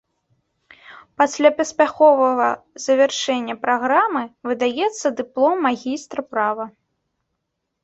Пасля паспяховага завяршэння праграмы выдаецца дыплом магістра права.